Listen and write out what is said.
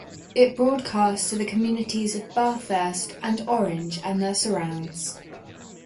It broadcasts to the communities of Bathurst and Orange and their surrounds.